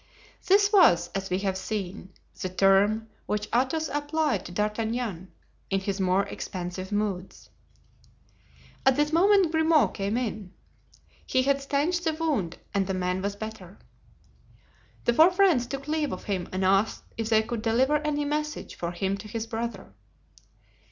This was, as we have seen, the term which Athos applied to D'Artagnan in his more expansive moods. At this moment Grimaud came in. He had stanched the wound and the man was better. The four friends took leave of him and asked if they could deliver any message for him to his brother.